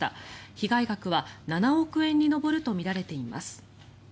被害額は７億円に上るとみられています。